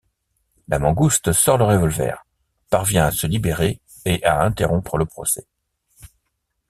La Mangouste sort le revolver, parvient à se libérer et à interrompre le procès.